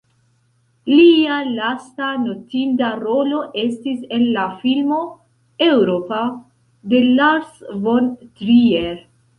Lia lasta notinda rolo estis en la filmo "Eŭropa" de Lars von Trier.